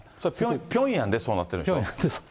ピョンヤンでそうなってるんでしょう。